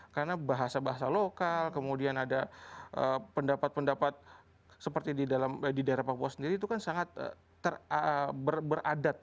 karena bahasa bahasa lokal kemudian ada pendapat pendapat seperti di daerah papua sendiri itu kan sangat beradat